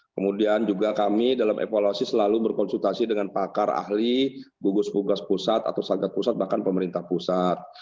kemudian juga kami dalam evaluasi selalu berkonsultasi dengan pakar ahli gugus tugas pusat atau sagat pusat bahkan pemerintah pusat